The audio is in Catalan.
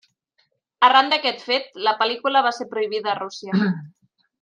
Arran d'aquest fet, la pel·lícula va ser prohibida a Rússia.